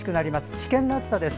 危険な暑さです。